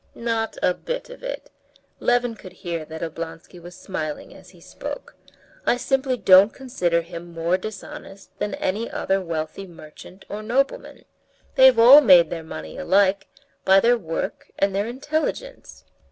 '..." "Not a bit of it." Levin could hear that Oblonsky was smiling as he spoke. "I simply don't consider him more dishonest than any other wealthy merchant or nobleman. They've all made their money alike—by their work and their intelligence."